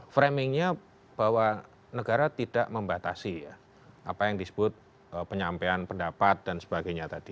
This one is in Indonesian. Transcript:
framingnya bahwa negara tidak membatasi apa yang disebut penyampaian pendapat dan sebagainya tadi